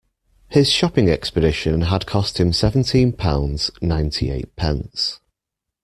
His shopping expedition had cost him seventeen pounds, ninety-eight pence